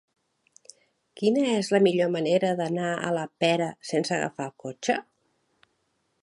Quina és la millor manera d'anar a la Pera sense agafar el cotxe?